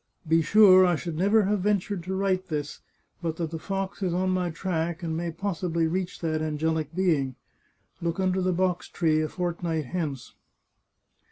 Be sure I should never have ventured to write this, but that the fox is on my track, and may possibly reach that angelic being. Look under the box tree a fortnight hence."